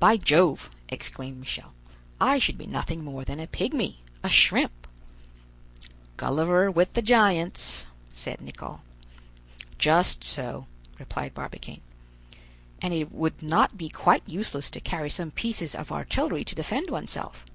"By Jove!" exclaimed Michel; "I should be nothing more than a pigmy, a shrimp!" "Gulliver with the giants," said Nicholl. "Just so," replied Barbicane. "And it would not be quite useless to carry some pieces of artillery to defend oneself."